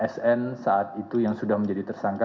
sn saat itu yang sudah menjadi tersangka